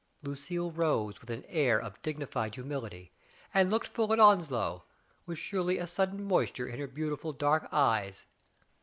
Lucille rose with an air of dignified humility, and looked full at Onslow, with surely a sudden moisture in her beautiful dark eyes.